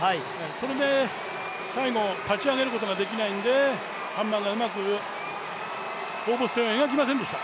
それで最後、立ち上げることができないんでハンマーがうまく放物線を描きませんでした。